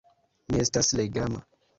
Mi estas legema.